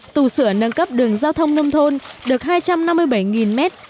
tù sửa nâng cấp đường giao thông nông thôn được hai trăm năm mươi bảy mét